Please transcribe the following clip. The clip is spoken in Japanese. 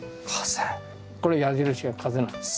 これ矢印が風なんです。